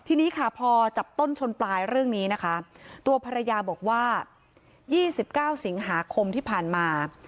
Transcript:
ทีนี้ค่ะพอจับต้นชนปลายเรื่องนี้นะคะตัวภรรยาบอกว่า๒๙สิงหาคมที่ผ่านมา